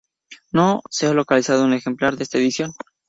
No se ha localizado un ejemplar de esta edición.